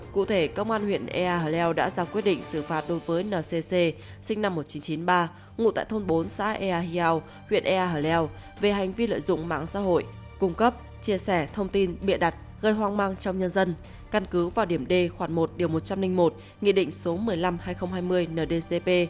cụ thể công an huyện ea leo đã ra quyết định xử phạt đối với ncc sinh năm một nghìn chín trăm chín mươi ba ngụ tại thôn bốn xã ea hyo huyện ea hở leo về hành vi lợi dụng mạng xã hội cung cấp chia sẻ thông tin bịa đặt gây hoang mang trong nhân dân căn cứ vào điểm d khoản một điều một trăm linh một nghị định số một mươi năm hai nghìn hai mươi ndcp